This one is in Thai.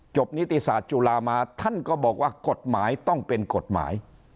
นิติศาสตร์จุฬามาท่านก็บอกว่ากฎหมายต้องเป็นกฎหมาย